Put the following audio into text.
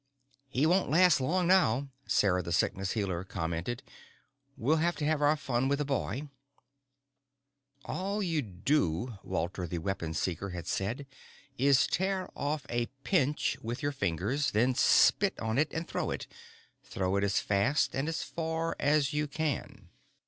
"He won't last long now," Sarah the Sickness Healer commented. "We'll have to have our fun with the boy." All you do, Walter the Weapon Seeker had said, _is tear off a pinch with your fingers. Then spit on it and throw it. Throw it as fast and as far as you can.